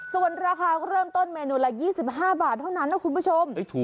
ส่วนราคาก็เริ่มต้นเมนูละ๒๕บาทเท่านั้นนะคุณผู้ชม